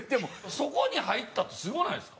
そこに入ったってすごくないですか？